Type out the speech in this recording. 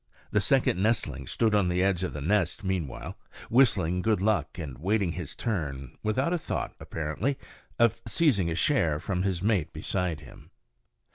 The second nestling stood on the edge of the nest meanwhile, whistling good luck and waiting his turn, without a thought, apparently, of seizing a share from his mate beside him.